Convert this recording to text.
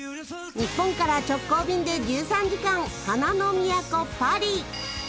日本から直行便で１３時間花の都パリ。